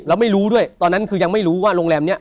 แล้วไม่รู้ด้วยตอนนั้นคือยังไม่รู้ว่าโรงแรมนี้